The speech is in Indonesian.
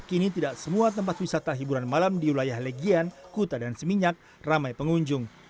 kini tidak semua tempat wisata hiburan malam di wilayah legian kuta dan seminyak ramai pengunjung